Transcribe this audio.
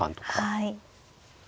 はい。